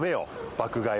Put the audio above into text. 爆買いは。